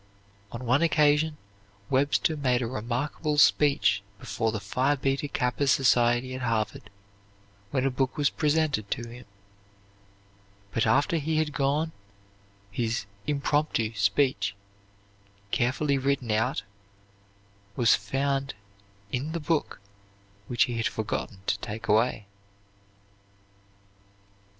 On one occasion Webster made a remarkable speech before the Phi Beta Kappa Society at Harvard, when a book was presented to him; but after he had gone, his "impromptu" speech, carefully written out, was found in the book which he had forgotten to take away.